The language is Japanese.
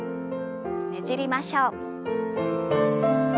ねじりましょう。